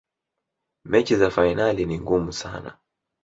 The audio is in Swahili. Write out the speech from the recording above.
mechi za fainali ni ngumu sana